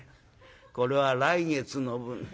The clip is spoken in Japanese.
「これは来月の分」。